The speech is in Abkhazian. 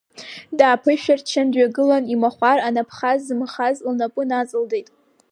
Дааԥышәырччан, дҩагылан, имахәар анапхаз зымхаз лнапы наҵылдеит.